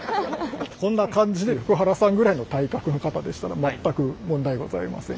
こんな感じで福原さんぐらいの体格の方でしたら全く問題ございません。